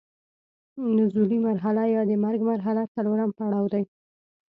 نزولي مرحله یا د مرګ مرحله څلورم پړاو دی.